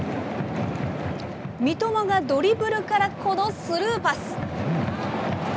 三笘がドリブルから、このスルーパス。